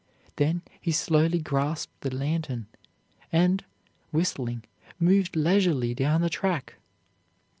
Then he slowly grasped the lantern and, whistling, moved leisurely down the track.